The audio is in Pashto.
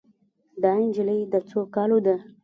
دا نجلۍ د څو کالو ده